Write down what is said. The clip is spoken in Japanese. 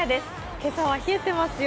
今朝は冷えていますよ。